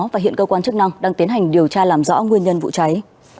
và hiện cơ quan chức năng đang tiến hành điều tra làm rõ nguyên nhân vụ cháy